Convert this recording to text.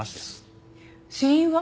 死因は？